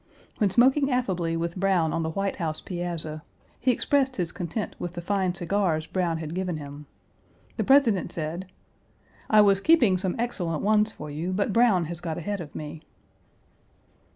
When smoking affably with Browne on the White House piazza, he expressed his content with the fine cigars Browne had given him. The President said: "I was keeping some excellent ones for you, but Browne has got ahead of me."